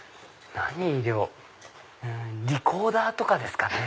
リコーダーとかですかね。